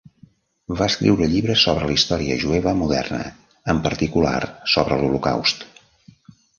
Va escriure llibres sobre la història jueva moderna, en particular sobre l'holocaust.